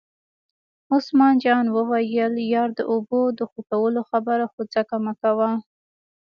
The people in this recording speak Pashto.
عثمان جان وویل: یار د اوبو د خوټولو خبره خو ځکه مکوه.